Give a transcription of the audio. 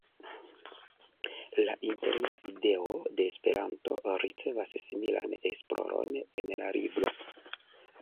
La interna ideo de Esperanto ricevas similan esploron en la libro.